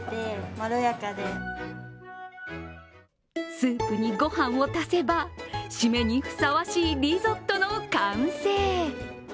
スープに御飯を足せば、締めにふさわしいリゾットの完成。